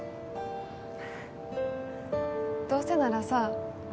どうせならさ